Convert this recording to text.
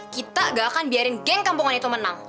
kita gak akan biarin geng kampungan itu menang